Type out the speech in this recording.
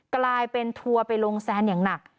กลายเป็นทัวร์ไปลงแซนอย่างหนัก